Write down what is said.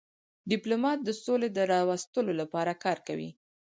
ډيپلومات د سولي د راوستلو لپاره کار کوي.